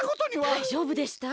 だいじょうぶでした？